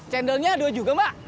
cendolnya dua juga mbak